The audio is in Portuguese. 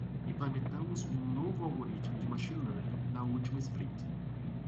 Implementamos um novo algoritmo de machine learning na última sprint.